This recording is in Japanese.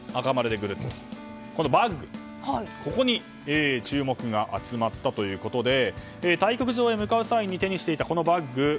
このバッグに注目が集まったということで対局場に向かう際に手にしていたバッグ。